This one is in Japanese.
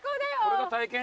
これが体験？